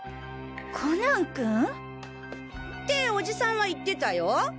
コナン君？っておじさんは言ってたよ。